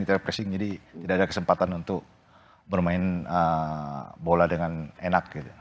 kita pressing jadi tidak ada kesempatan untuk bermain bola dengan enak